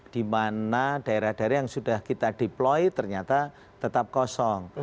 di mana daerah daerah yang sudah kita deploy ternyata tetap kosong